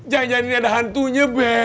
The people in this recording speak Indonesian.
jangan jangan ini ada hantunya be